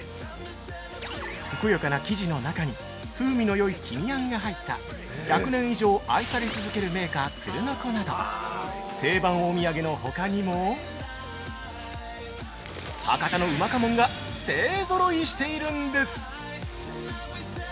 ふくよかな生地の中に風味のよい黄味あんが入った１００年以上愛され続ける銘菓「鶴乃子」など定番お土産のほかにも、博多のうまかもんが勢ぞろいしているんです！！